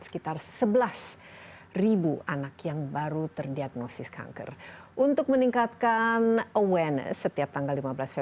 sekitar sebelas anak yang baru terdiagnosis kanker untuk meningkatkan awareness setiap tanggal lima belas februari